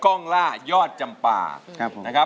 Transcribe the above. กล้องล่ายอดจำปานะครับ